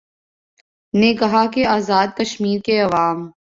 نے کہا کہ آزادکشمیر کےعوام